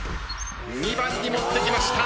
２番に持ってきました。